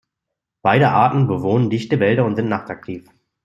Beide Arten bewohnen dichte Wälder und sind nachtaktiv.